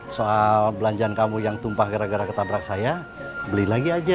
soal belanjaan kamu yang tumpah gara gara ketabrak saya beli lagi aja